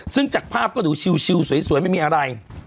ซึ่งจากภาพก็ดูชิวสวยไม่มีอะไร